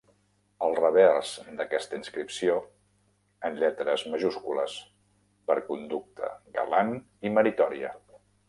Al revers d'aquesta inscripció, en lletres majúscules: Per conducta galant i meritòria.